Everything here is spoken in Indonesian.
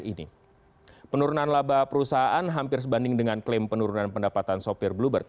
jadi penurunan laba perusahaan hampir sebanding dengan klaim penurunan pendapatan sopir bluebird